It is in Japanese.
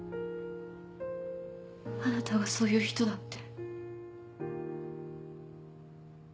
あなたがそういう人だって。